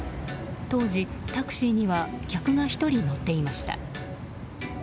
当時、タクシーには客が１人乗っていました。